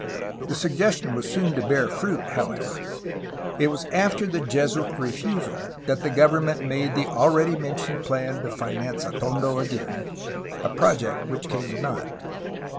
The suggestion was soon to bear fruit, however. It was after the Jesuit refusal that the government made the already mentioned plan to finance Atondo again, a project which came to naught.